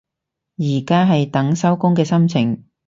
而家係等收工嘅心情